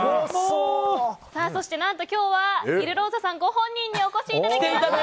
そして、何と今日はイルローザさんご本人にお越しいただきました！